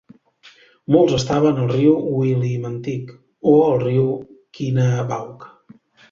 Molts estaven al riu Willimantic o el riu Quinebaug.